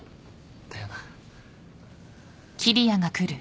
だよな。